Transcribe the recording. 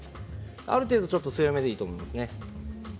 ある程度塩は強めでいいと思います。